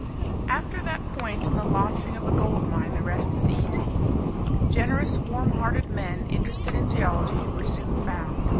After that point in the launching of a gold mine the rest is easy. Generous, warm hearted men, interested in geology, were soon found.